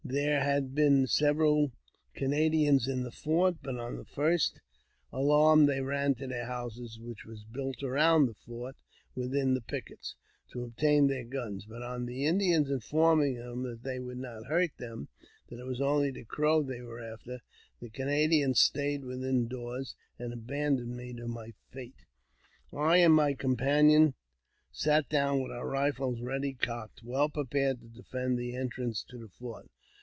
There had been several Canadians in the fort, but on the first alarm they ran to their houses, which were built around the fort, within the pickets, to obtain their guns ; but on the Indians informing them that they would not hurt them, that it was only the Crow that they were after, the Canadians stayed within doors, and abandoned me to my fate. I and my companion sat with our rifles ready cocked, well prepared to defend the entrance to the fort.